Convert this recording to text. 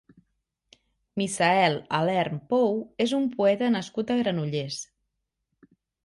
Misael Alerm Pou és un poeta nascut a Granollers.